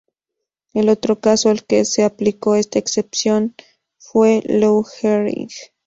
El otro caso al que se aplicó esta excepción fue Lou Gehrig.